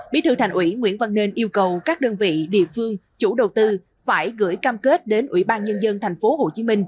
bí thư thành ủy nguyễn văn nên yêu cầu các đơn vị địa phương chủ đầu tư phải gửi cam kết đến ủy ban nhân dân tp hcm